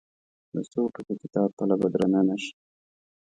د څو ټوکه کتاب پله به درنه نه شي.